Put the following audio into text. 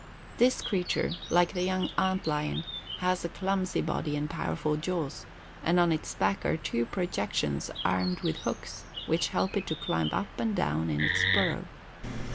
This creature, like the young ant lion, has a clumsy body and powerful jaws, and on its back are two projections armed with hooks which help it to climb up and down in its burrow.